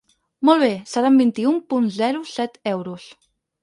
Molt bé, seran vint-i-u punt zero set euros.